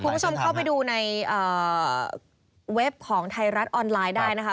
คุณผู้ชมเข้าไปดูในเว็บของไทยรัฐออนไลน์ได้นะคะ